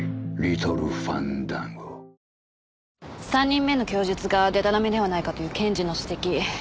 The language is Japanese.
３人目の供述がでたらめではないかという検事の指摘